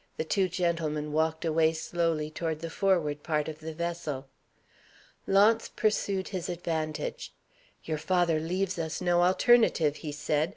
The two gentlemen walked away slowly toward the forward part of the vessel. Launce pursued his advantage. "Your father leaves us no alternative," he said.